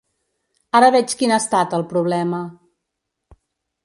Ara veig quin ha estat el problema.